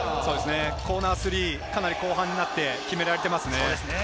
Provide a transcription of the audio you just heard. コーナースリー、後半になって、かなり決められていますね。